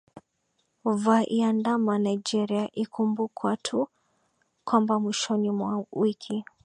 vya iandama nigeria ikumbukwa tu kwamba mwishoni mwa wiki